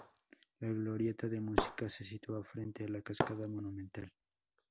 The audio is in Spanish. La glorieta de música se sitúa frente a la Cascada Monumental.